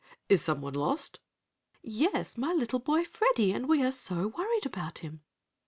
"Is someone lost?" "Yes, my little boy Freddie, and we are so worried about him!"